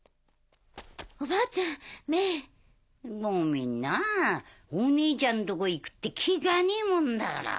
ごめんなお姉ちゃんのとこ行くってきかねえもんだから。